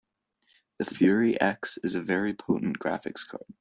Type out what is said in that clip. The Fury X is a very potent graphics card.